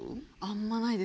あんまりない？